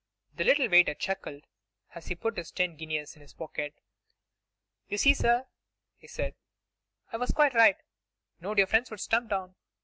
The little waiter chuckled as he put his ten guineas in his pocket. 'You see, sir,' he said, 'I was quite right. Knowed your friends would stump down.